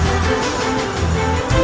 aku akan mencari dia